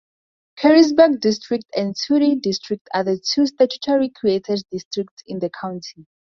Careysburg District and Todee District are the two statutorily created districts in the county.